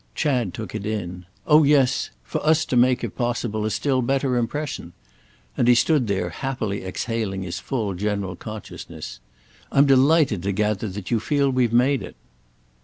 Chad took it in. "Oh yes—for us to make if possible a still better impression." And he stood there happily exhaling his full general consciousness. "I'm delighted to gather that you feel we've made it."